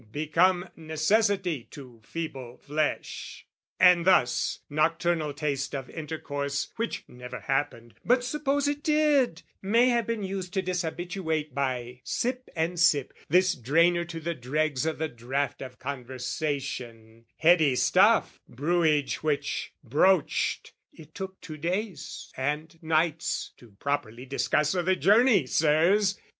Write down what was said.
"Become necessity to feeble flesh!" And thus, nocturnal taste of intercourse (Which never happened, but, suppose it did) May have been used to dishabituate By sip and sip this drainer to the dregs O' the draught of conversation, heady stuff, Brewage which broached, it took two days and nights To properly discuss o' the journey, Sirs!